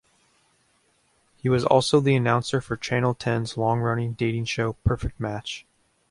He was also the announcer for Channel Ten's long-running dating show "Perfect Match".